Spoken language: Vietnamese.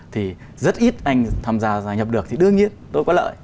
thì rất ít anh tham gia gia nhập được thì đương nhiên tôi có lợi